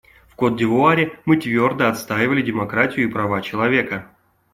В Котд'Ивуаре мы твердо отстаивали демократию и права человека.